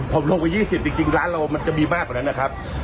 ผมลงไป๒๐จริงร้านเรามันจะมีมากกว่านั้นนะครับ